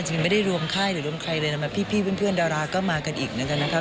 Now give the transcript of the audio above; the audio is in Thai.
จริงไม่ได้รวมค่ายหรือรวมใครเลยนะพี่เพื่อนดาราก็มากันอีกเหมือนกันนะครับ